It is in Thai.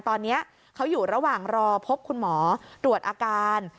ตอนนี้เขาอยู่ระหว่างรอพบคุณหมอตรวจอาการ